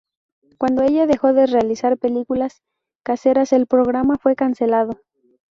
Cuando ella dejó de realizar películas caseras, el programa fue cancelado.